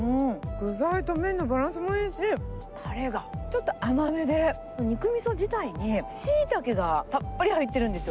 具材と麺のバランスもいいし、たれがちょっと甘めで、肉みそ自体にしいたけがたっぷり入ってるんですよ。